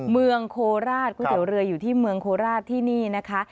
เมืองโคราชก๋วยเตี๋ยวเรืออยู่ที่เมืองโคราชที่นี่นะคะ